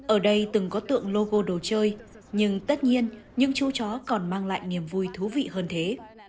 ở đây từng có tượng logo đồ chơi nhưng tất nhiên những chú chó còn mang lại niềm vui thú vị hơn thế